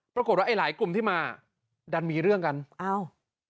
ปรากฏว่าไอ้หลายกลุ่มที่มาดันมีเรื่องกันอ้าว